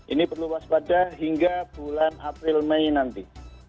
ini perlu waspada hingga bulan april mei nanti